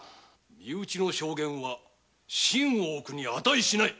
身内の証言は信頼するに値しない。